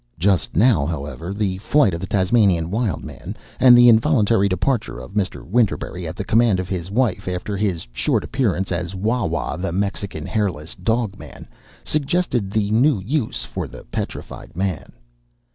Just now, however, the flight of the Tasmanian Wild Man, and the involuntary departure of Mr. Winterberry at the command of his wife after his short appearance as Waw Waw, the Mexican Hairless Dog Man, suggested the new use for the Petrified Man.